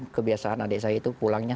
kebiasaan adik saya itu pulangnya